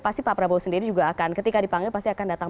pasti pak prabowo sendiri juga akan ketika dipanggil pasti akan datang